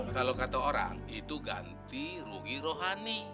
kalau kata orang itu ganti rugi rohani